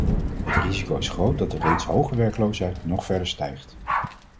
Het risico is groot dat de reeds hoge werkloosheid nog verder stijgt.